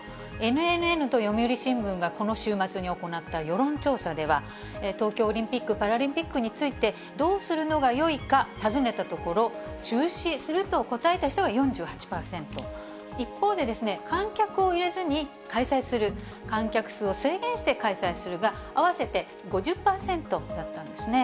ＮＮＮと読売新聞が、この週末に行った世論調査では、東京オリンピック・パラリンピックについて、どうするのがよいか、尋ねたところ、中止すると答えた人が４８％、一方で、観客を入れずに開催する、観客数を制限して開催するが合わせて５０％だったんですね。